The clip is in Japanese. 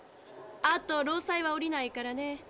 あと労災は下りないからね。